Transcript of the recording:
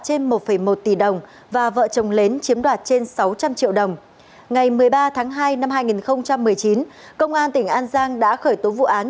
trên một một tỷ đồng và vợ chồng lến chiếm đoạt trên sáu trăm linh triệu đồng ngày một mươi ba tháng hai năm hai nghìn một mươi chín công an tỉnh an giang đã khởi tố vụ án